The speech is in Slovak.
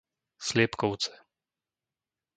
Sliepkovce